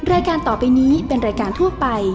แอปพลิเคชั่นใหม่